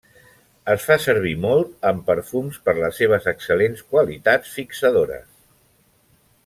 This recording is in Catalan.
Es fa servir molt en perfums per les seves excel·lents qualitats fixadores.